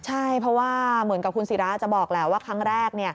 ใช่เพราะว่าเหมือนกับคุณศิราจะบอกแหละว่าครั้งแรก